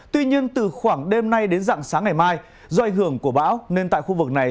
tuy nhiên từ khoảng đêm nay đến dạng sáng ngày mai do ảnh hưởng của bão nên tại khu vực này